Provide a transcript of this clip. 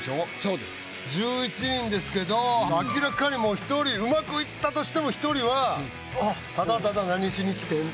明らかにもう１人うまくいったとしても１人はただただ「何しに来てん？」。